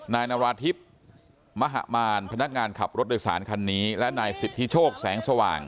นายนาราธิบมหามารพนักงานขับรถโดยสารคันนี้และนายสิทธิโชคแสงสว่าง